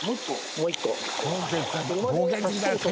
もう１個。